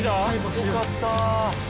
よかったぁ。